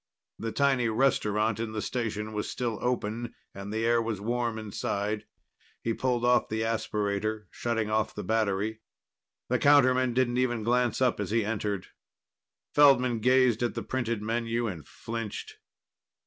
The tiny restaurant in the station was still open, and the air was warm inside. He pulled off the aspirator, shutting off the battery. The counterman didn't even glance up as he entered. Feldman gazed at the printed menu and flinched.